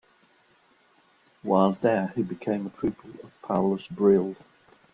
While there he became a pupil of Paulus Bril.